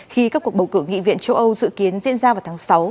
khi các cuộc bầu cử nghị viện châu âu dự kiến diễn ra vào tháng sáu